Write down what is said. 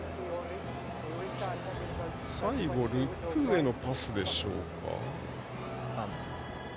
最後、ルクへのパスでしょうか。